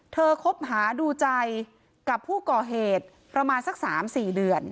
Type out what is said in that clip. คบหาดูใจกับผู้ก่อเหตุประมาณสัก๓๔เดือน